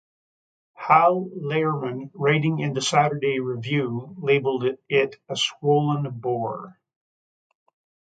Hal Lehrman, writing in the "Saturday Review", labelled it "a swollen bore".